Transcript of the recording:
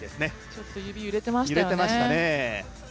ちょっと指、揺れてましたよね。